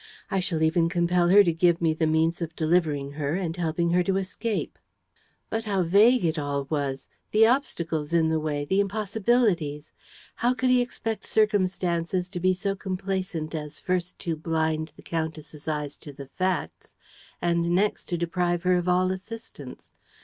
I shall even compel her to give me the means of delivering her and helping her to escape." But how vague it all was! The obstacles in the way! The impossibilities! How could he expect circumstances to be so complaisant as first to blind the countess' eyes to the facts and next to deprive her of all assistance?